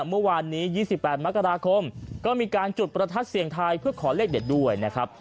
เมื่อวานนี้๒๘มกราคมก็มีการจุดประทัดเสียงทายเพื่อขอเลขเด็ดด้วยนะครับ